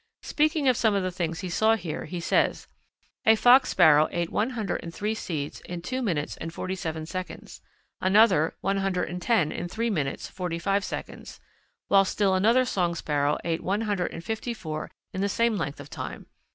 Speaking of some of the things he saw here, he says, "A Fox Sparrow ate one hundred and three seeds in two minutes and forty seven seconds; another, one hundred and ten in three minutes, forty five seconds; while still another Song Sparrow ate one hundred and fifty four in the same length of time.